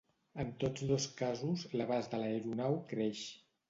En tots dos casos, l'abast de l'aeronau creix.